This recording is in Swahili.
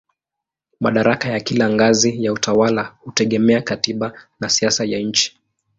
Madaraka ya kila ngazi ya utawala hutegemea katiba na siasa ya nchi.